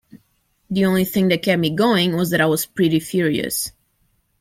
The only thing that kept me going was that I was pretty furious.